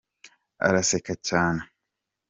araseka cyane.